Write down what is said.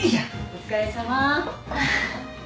お疲れさま。